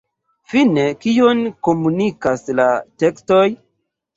Fine, kion komunikas la tekstoj?